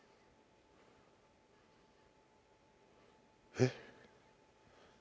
えっ？